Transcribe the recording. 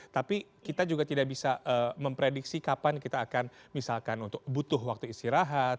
tapi kita juga tidak bisa memprediksi kapan kita akan misalkan untuk butuh waktu istirahat